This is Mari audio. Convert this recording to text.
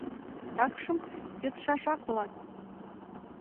— Такшым йодшашак улат.